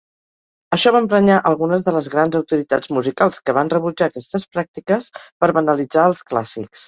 Això va emprenyar algunes de les grans autoritats musicals, que van rebutjar aquestes pràctiques per banalitzar els clàssics.